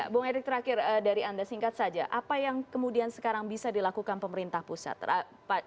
bung erick terakhir dari anda singkat saja apa yang kemudian sekarang bisa dilakukan pemerintah pusat